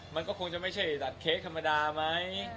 มันก็คงจะไม่ใช่ตัดเค้กธรรมดาไหม